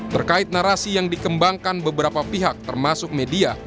terkait narasi yang dikembangkan beberapa pihak termasuk media